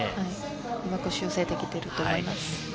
うまく修正できていると思います。